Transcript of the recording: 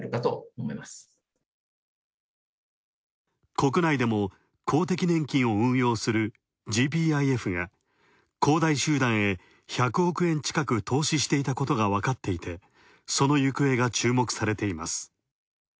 国内でも公的年金を運用するＧＰＩＦが、恒大集団へ１００億円近く投資していたことがわかっていて、その行方が注目されています。